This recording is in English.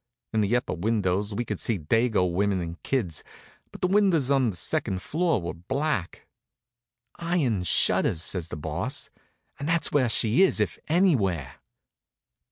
In the upper windows we could see Dago women and kids, but the windows on the second floor were black. "Iron shutters," says the Boss. "And that's where she is if anywhere."